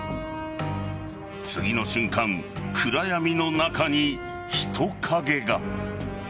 次の瞬間、暗闇の中に人影が。